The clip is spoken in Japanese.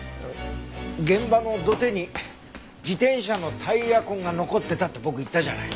現場の土手に自転車のタイヤ痕が残ってたって僕言ったじゃない。